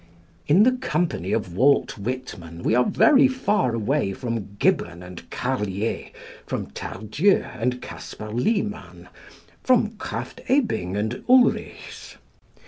In the company of Walt Whitman we are very far away from Gibbon and Carlier, from Tardieux and Casper Liman, from Krafft Ebing and Ulrichs.